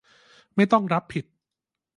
ไม่ต้องรับผิด